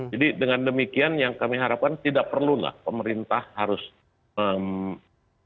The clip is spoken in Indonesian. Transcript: jadi dengan demikian yang kami harapkan tidak perlu pemerintah harus berikun